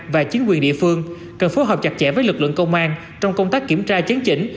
và chính quyền địa phương cần phối hợp chặt chẽ với lực lượng công an trong công tác kiểm tra chấn chỉnh